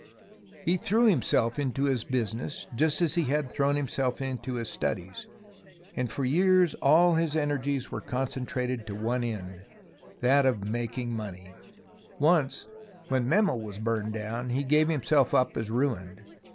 He threw himself into his business just as he had 168 THE ROMANCE OF EXCAVATION thrown himself into his studies, and for years all his energies were concentrated to one end, that of making money. Once, when Memel was burned down, he gave himself up as ruined.